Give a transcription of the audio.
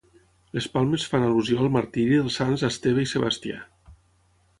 Les palmes fan al·lusió al martiri dels sants Esteve i Sebastià.